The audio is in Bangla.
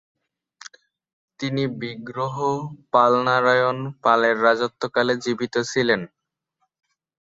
তিনি বিগ্রহ পাল-নারায়ণ পালের রাজত্বকালে জীবিত ছিলেন।